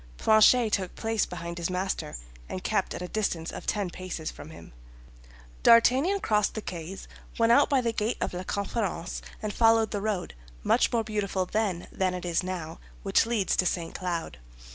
Planchet took place behind his master, and kept at a distance of ten paces from him. D'Artagnan crossed the quays, went out by the gate of La Conférence and followed the road, much more beautiful then than it is now, which leads to St. Cloud.